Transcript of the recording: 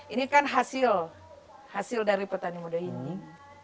ini kan hasil dari pertanian modo inding